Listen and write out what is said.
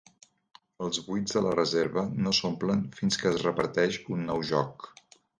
Els buits a la reserva no s'omplen fins que es reparteix un nou joc.